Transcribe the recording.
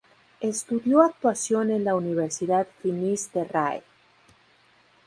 Estudió actuación en la Universidad Finis Terrae.